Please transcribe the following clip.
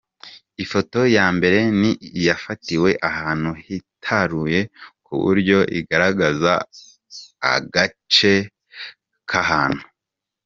Ifoto ya mbere ni iyafatiwe ahantu hitaruye ku buryo igaragaza agace k’ahantu.